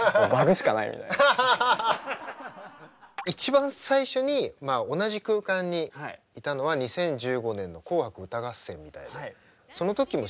一番最初に同じ空間にいたのは２０１５年の「紅白歌合戦」みたいでその時も審査員？